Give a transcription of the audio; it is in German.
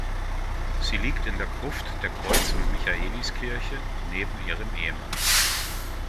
Sie liegt in der Gruft der Kreuz- und Michaeliskirche neben ihrem Ehemann.